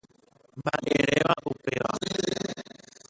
Mba'érepa upéva